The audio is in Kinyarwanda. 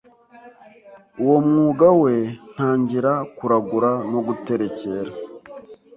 uwo mwuga we ntangira kuragura no guterekera